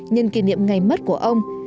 nhân kỷ niệm ngày mất của ông